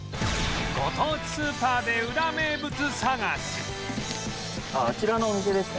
ご当地スーパーでウラ名物探し